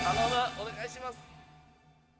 お願いします！